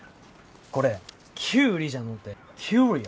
これキュウリじゃのうてキュウリオ。